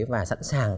và sẵn sàng